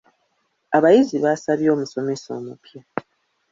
Abayizi baasabye omusomesa omupya.